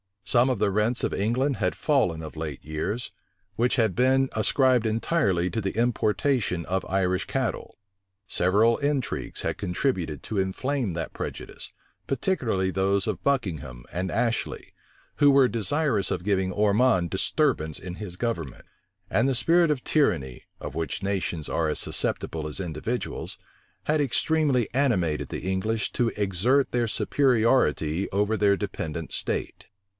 Some of the rents of England had fallen of late years, which had been ascribed entirely to the importation of Irish cattle: several intrigues had contributed to inflame that prejudice, particularly those of Buckingham and Ashley, who were desirous of giving Ormond disturbance in his government: and the spirit of tyranny, of which nations are as susceptible as individuals, had extremely animated the English to exert their superiority over their dependent state.